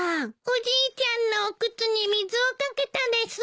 おじいちゃんのお靴に水を掛けたです。